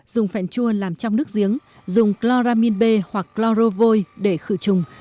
dùng phèn chua làm trong nước giếng dùng chloramin b hoặc chlorovoy để khử trùng